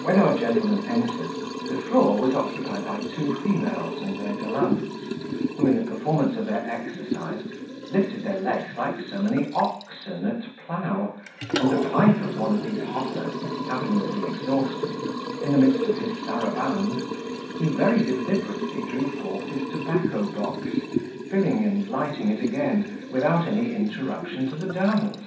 When our gentlemen entered, the floor was occupied by two females and their gallants, who, in the performance of their exercise, lifted their legs like so many oxen at plough and the pipe of one of those hoppers happening to be exhausted, in the midst of his saraband, he very deliberately drew forth his tobacco box, filling and lighting it again, without any interruption to the dance.